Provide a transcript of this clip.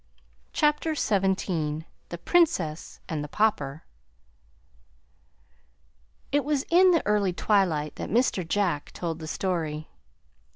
CHAPTER XVII "THE PRINCESS AND THE PAUPER" It was in the early twilight that Mr. Jack told the story.